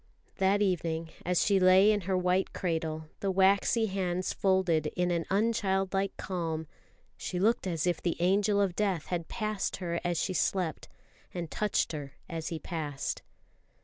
That evening, as she lay in her white cradle, the waxy hands folded in an unchildlike calm, she looked as if the angel of Death had passed her as she slept, and touched her as he passed.